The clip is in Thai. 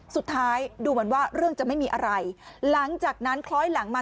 สุดท้ายดูเหมือนว่าเรื่องจะไม่มีอะไรหลังจากนั้นคล้อยหลังมา